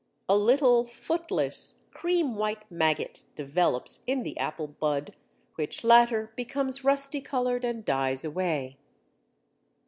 A little footless, cream white maggot develops in the apple bud, which latter becomes rusty coloured and dies away.